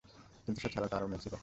কিন্তু সে ছাড়াও আরও মেয়ে ছিল।